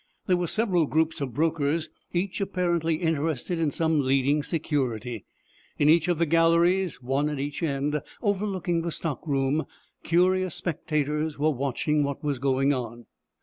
There were several groups of brokers, each apparently interested in some leading security. In each of the galleries, one at each end, overlooking the stock room, curious spectators were watching what was going on.